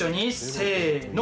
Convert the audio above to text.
せの。